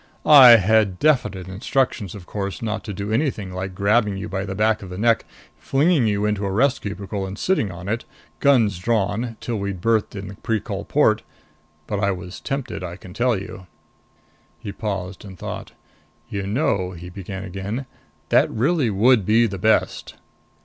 "I had definite instructions, of course, not to do anything like grabbing you by the back of the neck, flinging you into a rest cubicle and sitting on it, guns drawn, until we'd berthed in Precol Port. But I was tempted, I can tell you." He paused and thought. "You know," he began again, "that really would be the best."